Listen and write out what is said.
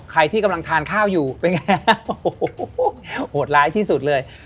ใครที่กำลังทานข้าวอยู่เป็นไงฮะโอ้โหโหดร้ายที่สุดเลย